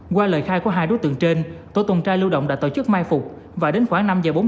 qua lời khai của hai đối tượng trên tổ tồn tra lưu động đã tổ chức mai phục và đến khoảng năm giờ bốn mươi năm